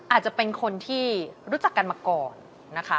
อาจจะเป็นคนที่รู้จักกันมาก่อนนะคะ